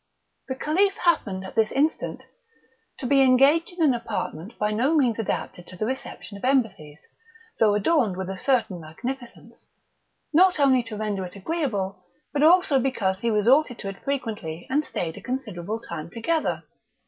The Caliph happened at this instant to be engaged in an apartment by no means adapted to the reception of embassies, though adorned with a certain magnificence, not only to render it agreeable, but also because he resorted to it frequently, and stayed a considerable time together.